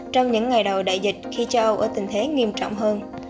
trong những ngày đầu đại dịch khi châu âu ở tình thế nghiêm trọng hơn